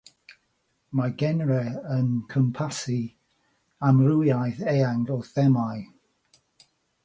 Mae'r genre yn cwmpasu amrywiaeth eang o themâu.